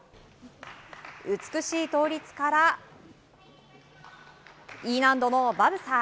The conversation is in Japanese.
美しい倒立からＥ難度のバルサー。